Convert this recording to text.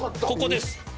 ここです。